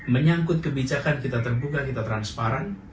menyangkut kebijakan kita terbuka kita transparan